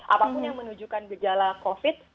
apapun yang menunjukkan gejala covid sembilan belas